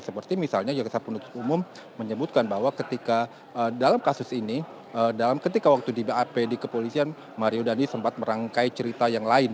seperti misalnya jaksa penuntut umum menyebutkan bahwa ketika dalam kasus ini ketika waktu di bap di kepolisian mario dandi sempat merangkai cerita yang lain